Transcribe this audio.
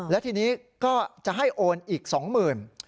และทีนี้ก็จะให้โอนอีก๒๐๐๐บาท